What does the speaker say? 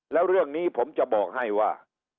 แล้วเรื่องนี้ผมจะบอกให้ว่า